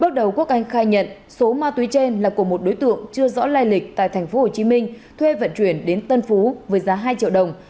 bước đầu quốc anh khai nhận số ma túy trên là của một đối tượng chưa rõ lai lịch tại tp hcm thuê vận chuyển đến tân phú với giá hai triệu đồng